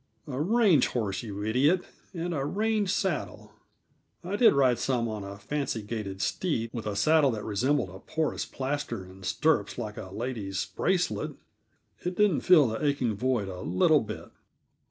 "A range horse, you idiot, and a range saddle. I did ride some on a fancy gaited steed with a saddle that resembled a porus plaster and stirrups like a lady's bracelet; it didn't fill the aching void a little bit."